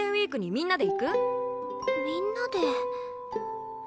みんなで。